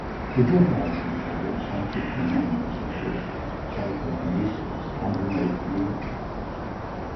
The book argued for psychic phenomena such as psychokinesis and remote viewing.